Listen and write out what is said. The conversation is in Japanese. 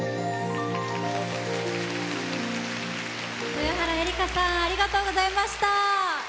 豊原江理佳さんありがとうございました。